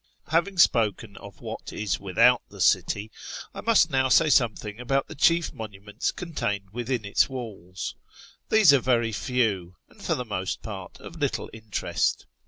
Having spoken of what is without the city, I must now say something about the chief monuments contained within its walls. These are very few, and, for the most part, of little interest.